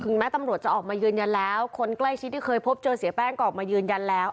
แม้ตำรวจจะออกมายืนยันแล้วคนใกล้ชิดที่เคยพบเจอเสียแป้งก็ออกมายืนยันแล้ว